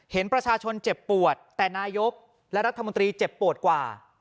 เห็นประชาชนเจ็บปวดแต่นายกและรัฐมนตรีเจ็บปวดกว่า